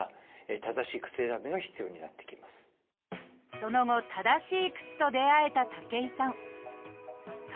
その後正しい靴と出会えた武井さん。